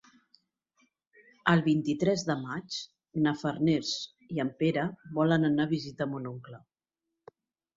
El vint-i-tres de maig na Farners i en Pere volen anar a visitar mon oncle.